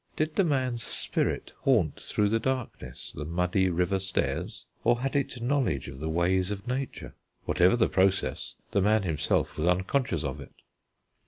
Did the man's spirit haunt through the darkness the muddy river stairs; or had it knowledge of the ways of Nature? Whatever the process, the man himself was unconscious of it.